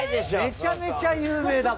めちゃめちゃ有名だもんね。